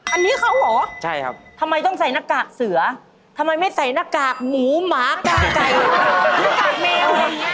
อันนี้เขาเหรอทำไมต้องใส่หน้ากากเสือทำไมไม่ใส่หน้ากากหมูหมากาไก่หน้ากากมิว